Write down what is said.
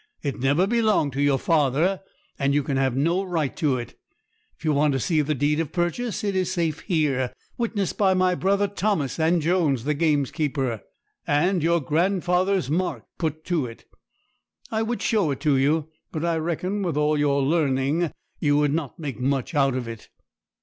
It never belonged to your father; and you can have no right to it. If you want to see the deed of purchase, it is safe here, witnessed by my brother Thomas and Jones the gamekeeper, and your grandfather's mark put to it. I would show it to you; but I reckon, with all your learning, you would not make much out of it.'